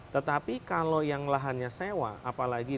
tetapi kalau yang lahannya sewa apalagi